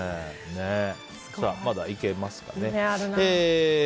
まだいけますかね。